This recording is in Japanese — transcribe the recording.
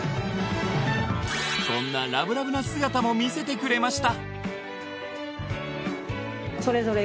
こんなラブラブな姿も見せてくれました